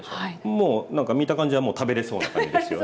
もうなんか見た感じはもう食べれそうな感じですよね。